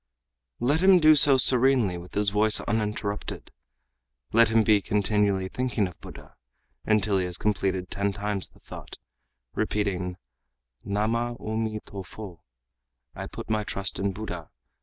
Let him do so serenely with his voice uninterrupted; let him be (continually) thinking of Buddha, until he has completed ten times the thought, repeating 'Namah O mi to fo,' I put my trust in Buddha!